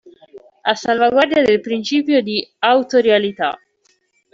A salvaguardia del principio di autorialità.